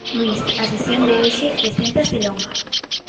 Luís, a sesión de hoxe preséntase longa.